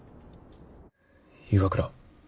岩倉。